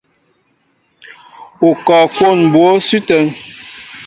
U kɔɔ kwón mbǒ sʉ́ ítə́ŋ?